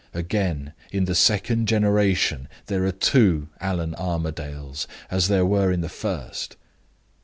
Again, in the second generation, there are two Allan Armadales as there were in the first.